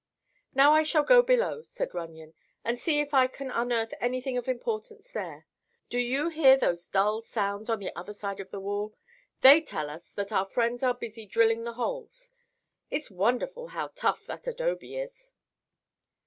"Now I shall go below," said Runyon, "and see if I can unearth anything of importance there. Do you hear those dull sounds on the other side of the wall? They tell us that our friends are busy drilling the holes. It's wonderful how tough that adobe is."